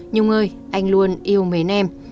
nhung ơi anh luôn yêu mến em